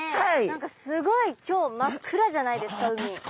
何かすごい今日真っ暗じゃないですか？